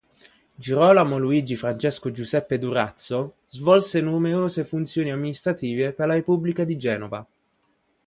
Girolamo Luigi Francesco Giuseppe Durazzo svolse numerose funzioni amministrative per la Repubblica di Genova.